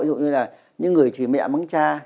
dụ như là những người chửi mẹ mắng cha